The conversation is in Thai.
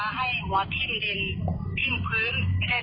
เอาหัวให้หัวทิ้งดินทิ้งพื้นแค่ดิน